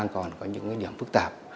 cũng phức tạp